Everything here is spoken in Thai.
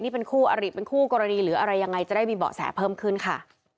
นี่เป็นคู่อริเป็นคู่กรณีหรืออะไรยังไงจะได้มีเบาะแสเพิ่มขึ้นค่ะ